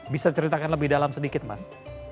bisa ceritakan lebih dalam sedikit mas